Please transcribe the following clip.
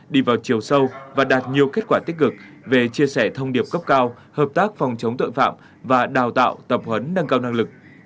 đi vào chiều sâu và đạt nhiều kết quả tích cực về chia sẻ thông điệp cấp cao hợp tác phòng chống tội phạm và đào tạo tập huấn nâng cao năng lực